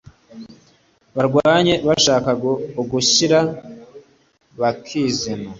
barwanye bashaka ugushira bakizana